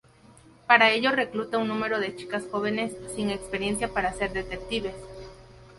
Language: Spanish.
Para ello recluta un número de chicas jóvenes sin experiencia para ser detectives.